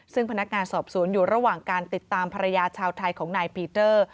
ซึ่งพนักงานสอบสวนอยู่ระหว่างการติดตามภรรยาชาวไทยของนายปีเตอร์